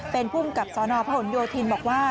เป็นผู้กับสหนพโยธินบอกว่า